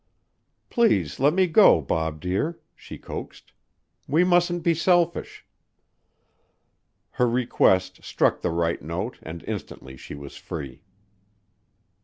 "Please let me go, Bob dear," she coaxed. "We mustn't be selfish." Her request struck the right note and instantly she was free.